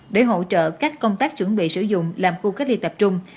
để hỗ trợ các công tác chuẩn bị sử dụng làm khu cách ly tập trung